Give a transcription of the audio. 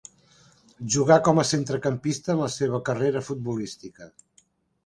Jugà com a centrecampista en la seva carrera futbolística.